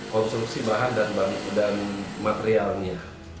konstruksi bahan dan materialnya